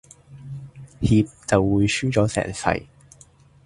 怯就會輸咗成世